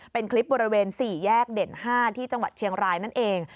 เป็นคลิปบริเวณ๔แยกเด่น๕ที่จังหวัดเชียงรายนั่นเอง